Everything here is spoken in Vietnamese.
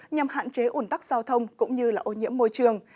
nhằm hạn chế ủn tắc giao thông cũng như ô nhiễm môi trường